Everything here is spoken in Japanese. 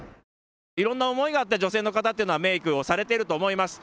いろんな思いがあって女性の方というのはメークをされていると思います。